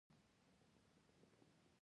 د هغه قضیې باید مبالغه وبلل شي.